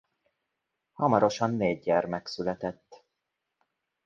Hamarosan négy gyermek született.